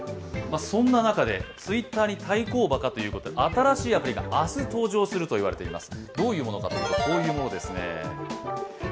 そんな中で、Ｔｗｉｔｔｅｒに対抗馬かということで新しいアプリが明日登場するといわれています。